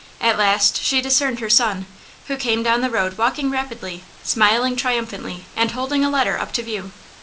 At last she discerned her son, who came down the road walking rapidly, smiling triumphantly and holding a letter up to view.